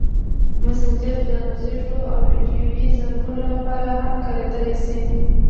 مسېنجر د غږیزو او ویډیويي زنګونو لپاره هم کارېدلی شي.